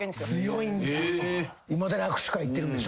いまだに握手会行ってるんでしょ？